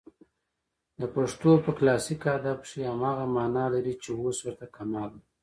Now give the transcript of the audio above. د پښتو په کلاسیک ادب کښي هماغه مانا لري، چي اوس ورته کمال وايي.